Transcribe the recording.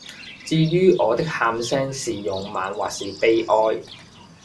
至于我的喊聲是勇猛或是悲哀，